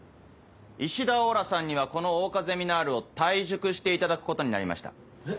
石田王羅さんにはこの桜花ゼミナールを退塾していただくことになりました。